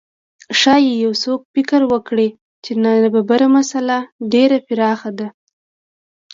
ښايي یو څوک فکر وکړي چې د نابرابرۍ مسئله ډېره پراخه ده.